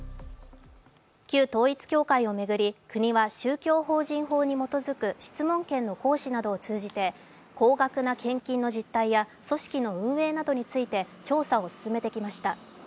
旧統一教会を巡り国は宗教法人法に基づく質問権の行使などを通じて高額な献金の実態や組織の運営などについて調査を進めてきました。